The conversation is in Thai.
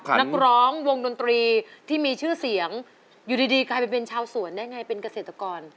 นักร้องวงดนตรีที่มีชื่อเสียงอยู่ดีกลายเป็นชาวสวนได้ไงเป็นเกษตรกร